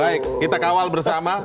baik kita kawal bersama